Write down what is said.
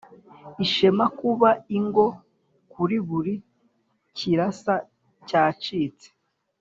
ishema kuba ingo kuri buri kirasa cyacitse,